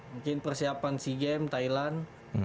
mungkin persiapan sea games thailand